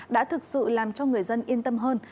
đã thực sự làm cho người dân yên tâm hơn